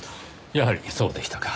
やはりそうでしたか。